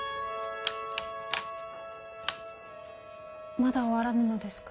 まだ終わらぬのですか？